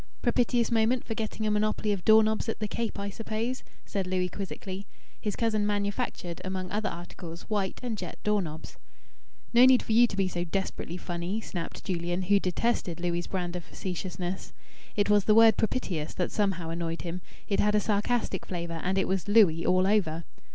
"Propitious moment for getting a monopoly of door knobs at the Cape, I suppose?" said Louis quizzically. His cousin manufactured, among other articles, white and jet door knobs. "No need for you to be so desperately funny!" snapped Julian, who detested Louis' brand of facetiousness. It was the word "propitious" that somehow annoyed him it had a sarcastic flavour, and it was "Louis all over."